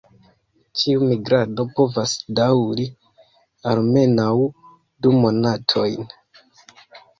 Ĉiu migrado povas daŭri almenaŭ du monatojn.